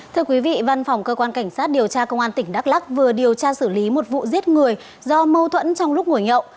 thưa quý vị văn phòng cơ quan cảnh sát điều tra công an tỉnh đắk lắc vừa điều tra xử lý một vụ giết người do mâu thuẫn trong lúc ngồi nhậu